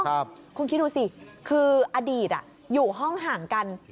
คุณคิดดูสิคืออดีตอยู่ห้องห่างกัน